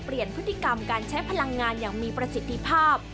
พฤติกรรมการใช้พลังงานอย่างมีประสิทธิภาพ